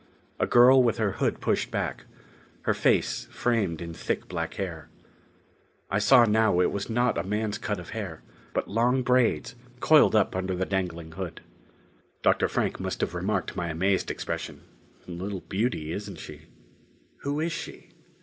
A girl with her hood pushed back; her face framed in thick black hair. I saw now it was not a man's cut of hair; but long braids coiled up under the dangling hood. Dr. Frank must have remarked my amazed expression. "Little beauty, isn't she?" "Who is she?"